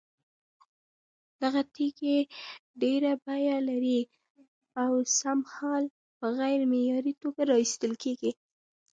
دغه تېږې ډېره بيه لري، اوسمهال په غير معياري توگه راايستل كېږي،